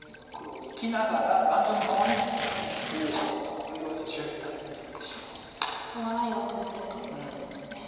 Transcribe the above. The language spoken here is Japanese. このラインは止めるということですね。